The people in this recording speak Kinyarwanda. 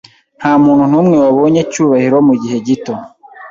Ntamuntu numwe wabonye Cyubahiro mugihe gito.